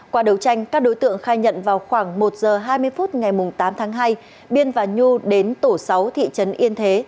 qua đấu tranh các đối tượng khai nhận vào khoảng một giờ hai mươi phút ngày tám tháng hai biên và nhu đến tổ sáu thị trấn yên thế